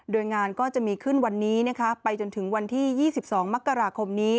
โดยงานก็จะมีขึ้นวันนี้ไปจนถึงวันที่๒๒มกราคมนี้